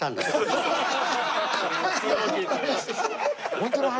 ホントの話。